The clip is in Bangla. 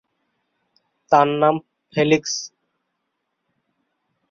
তার নাম ফেলিক্স।